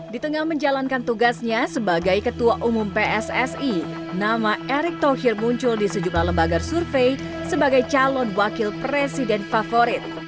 di tengah menjalankan tugasnya sebagai ketua umum pssi nama erick thohir muncul di sejumlah lembaga survei sebagai calon wakil presiden favorit